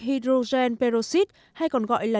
hydrogen peroxide hay còn gọi là